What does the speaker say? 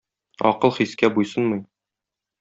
Акыл хискә буйсынмый.